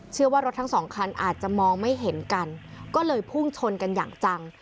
ว่ารถทั้งสองคันอาจจะมองไม่เห็นกันก็เลยพุ่งชนกันอย่างจัง